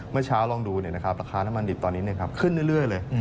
เมื่อเช้าลองดูราคาน้ำมันดิบตอนนี้ขึ้นเรื่อยเลย